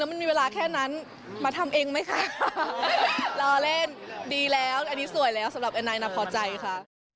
มันมีเวลาแค่นั้นมาทำเองไหมคะรอเล่นดีแล้วอันนี้สวยแล้วสำหรับไอ้นะพอใจค่ะ